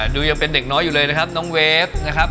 ดูยังเป็นเด็กน้อยอยู่เลยนะครับน้องเวฟนะครับ